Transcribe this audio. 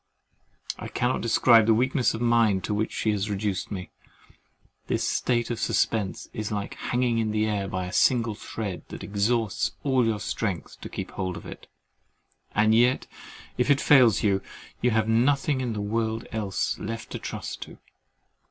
I cannot describe the weakness of mind to which she has reduced me. This state of suspense is like hanging in the air by a single thread that exhausts all your strength to keep hold of it; and yet if that fails you, you have nothing in the world else left to trust to.